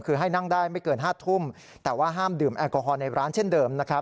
คือให้นั่งได้ไม่เกิน๕ทุ่มแต่ว่าห้ามดื่มแอลกอฮอลในร้านเช่นเดิมนะครับ